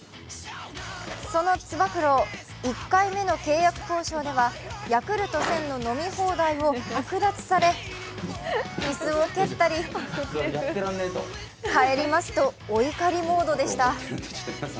そのつば九郎、１回目の契約交渉ではヤクルト１０００の飲み放題を剥奪され、椅子を蹴ったり帰りますとお怒りモードでした。